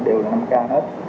đều là năm k hết